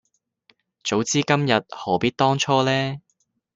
早知今日何必當初呢